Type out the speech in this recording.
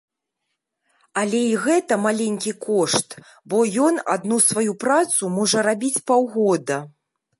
Але і гэта маленькі кошт, бо ён адну сваю працу можа рабіць паўгода.